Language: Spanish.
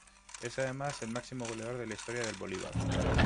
Es además el máximo goleador de la historia del Bolívar.